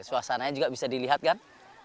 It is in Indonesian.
suasananya juga bisa dilihat kan